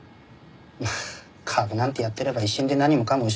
まあ株なんてやってれば一瞬で何もかも失う事もあります。